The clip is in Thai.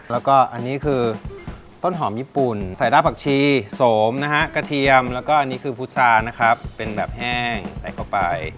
แล้วก็อันนี้คือต้นหอมญี่ปุ่นใส่หน้าผักชีโสมนะฮะกระเทียมแล้วก็อันนี้คือพุชานะครับเป็นแบบแห้งใส่เข้าไป